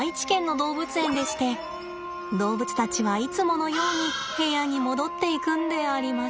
動物たちはいつものように部屋に戻っていくんであります。